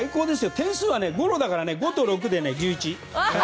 点数は、ゴロだから５と６で１１。